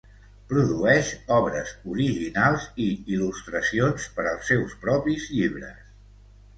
Produeix obres originals i il·lustracions per als seus propis llibres.